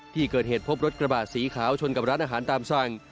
ที่เกิดเหตุพบรถกระบาดสีขาวชนกับร้านอาหารตามสั่ง